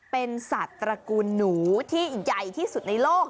เป็นสัตว์ตระกูลหนูที่ใหญ่ที่สุดในโลก